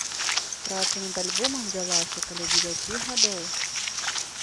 Праца над альбомам вялася каля дзевяці гадоў.